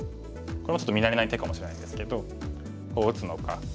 これもちょっと見慣れない手かもしれないんですけどこう打つのか。